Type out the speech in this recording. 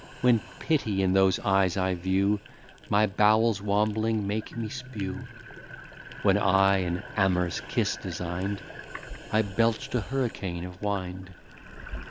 When pity in those eyes I view, My bowels wambling make me spew. When I an amorous kiss design'd, I belch'd a hurricane of wind.